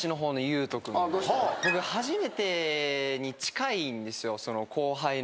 僕初めてに近いんですよ。